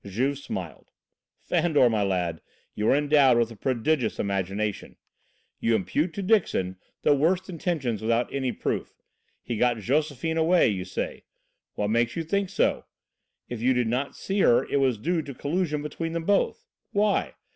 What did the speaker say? Juve smiled. "Fandor, my lad, you are endowed with a prodigious imagination. You impute to Dixon the worst intentions without any proof. He got Josephine away, you say? What makes you think so? If you did not see her it was due to collusion between them both. Why?